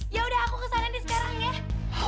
ya udah aku kesana nih sekarang ya